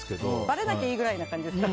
ばれなきゃいいぐらいの感じですか。